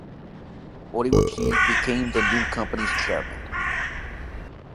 Horibuchi became the new company's chairman.